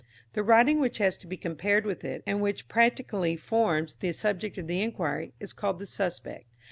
The writing which has to be compared with it, and which practically forms the subject of the enquiry, is called the Suspect.